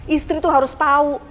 istri tuh harus tau